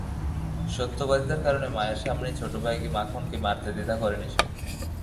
সত্যবাদিতার কারণে মায়ের সামনেই ছোট ভাই মাখনকে মারতে দ্বিধা করেনি সে।